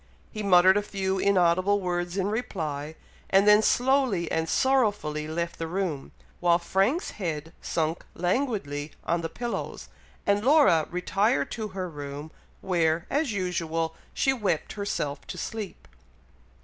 He muttered a few inaudible words in reply, and then slowly and sorrowfully left the room, while Frank's head sunk languidly on the pillows, and Laura retired to her room, where, as usual, she wept herself to sleep.